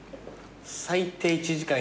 最低１時間。